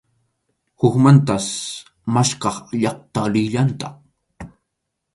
Hukmantas maskhaq llaqta rillantaq.